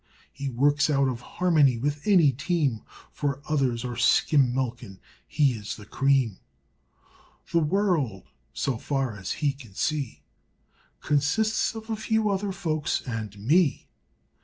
He works out of harmony with any team, For others are skim milk and he is the cream. "The world," so far as he can see, "Consists of a few other folks and ME."